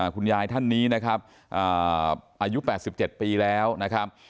คุณยายท่านนี้นะครับอายุ๘๗ปีแล้วนะครับ